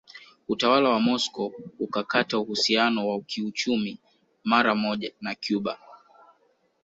Utawala wa Moscow ukakata uhusiano wa kiuchumi maramoja na Cuba